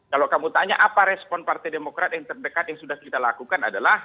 kalau kamu tanya apa respon partai demokrat yang terdekat yang sudah kita lakukan adalah